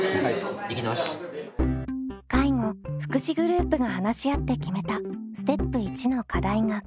介護・福祉グループが話し合って決めたステップ１の課題がこちら。